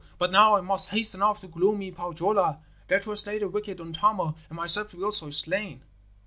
But now I must hasten off to gloomy Pohjola, there to slay the wicked Untamo, and myself be also slain.'